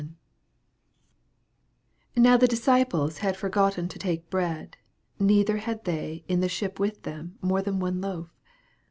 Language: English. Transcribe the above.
14 Now the disciples had forgotten to take bread, neither had they in the ship with them more than one loaf.